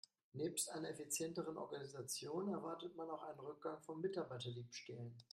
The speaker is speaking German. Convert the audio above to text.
Nebst einer effizienteren Organisation erwartet man auch einen Rückgang von Mitarbeiterdiebstählen.